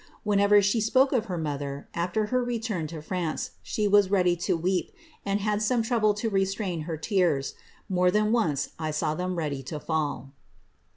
Whenever she spoke of her motheri aAer her return to France, she was ready to weep, and had some trouble to restrain her tears *, more than once I saw them ready to fall.''